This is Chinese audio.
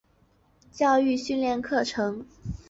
教育训练课程